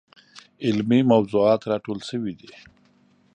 علمي موضوعات راټول شوي دي.